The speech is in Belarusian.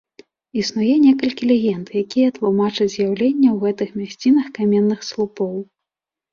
Існуе некалькі легенд, якія тлумачаць з'яўленне ў гэтых мясцінах каменных слупоў.